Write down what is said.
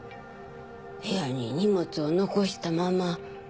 部屋に荷物を残したまま。